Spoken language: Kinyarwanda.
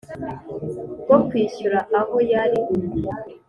Bwo kwishyura aho yari